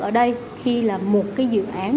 ở đây khi là một dự án